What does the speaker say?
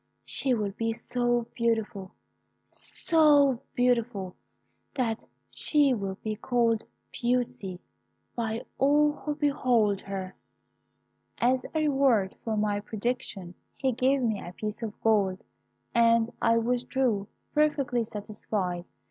She will be so beautiful so beautiful, that she will be called Beauty by all who behold her.' As a reward for my prediction, he gave me a piece of gold, and I withdrew, perfectly satisfied.